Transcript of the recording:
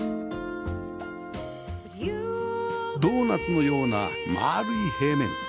ドーナツのようなまるい平面